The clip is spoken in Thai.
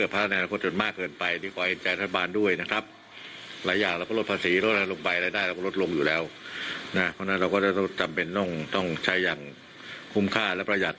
เพราะฉะนั้นเราก็จะต้องจำเป็นต้องใช้อย่างคุ้มค่าและประหยัด